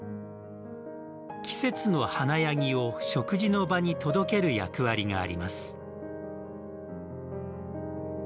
季節の華やぎを食事の場に届ける役割があります。